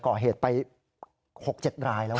ก่อเหตุไป๖๗รายแล้ว